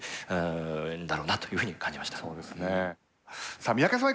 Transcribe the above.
さあ三宅さん